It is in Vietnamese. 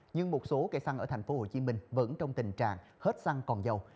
nhưng một số cây xăng ở thành phố hồ chí minh vẫn trong tình trạng hết xăng còn dầu